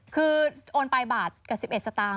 คือโอนไปบาทกับ๑๑สตางค